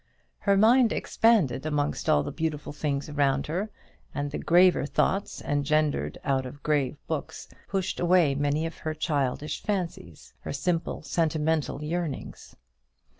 Her mind expanded amongst all the beautiful things around her, and the graver thoughts engendered out of grave books pushed away many of her most childish fancies, her simple sentimental yearnings.